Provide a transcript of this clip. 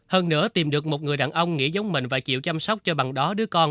hơn nữa tìm được một người đàn ông nghĩ giống mình và chịu chăm sóc cho bằng đó đứa con